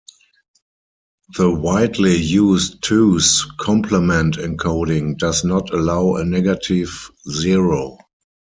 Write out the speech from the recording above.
The widely used two's complement encoding does not allow a negative zero.